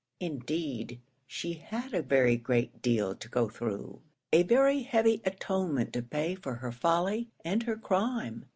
Indeed she had a very great deal to go through; a very heavy atonement to pay for her folly and her crime.